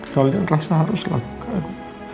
kalian rasa harus lakukan